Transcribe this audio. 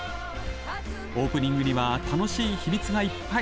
オープニングには楽しい秘密がいっぱい。